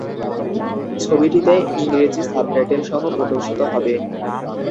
ছবিটিতে ইংরেজি সাব-টাইটেলসহ প্রদর্শিত হবে।